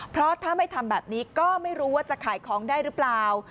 เพราะถ้าไม่ทำแบบนี้ก็ไม่รู้ว่าจะขายของได้หรือเปล่า